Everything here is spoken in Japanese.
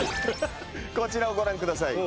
こちらをご覧ください。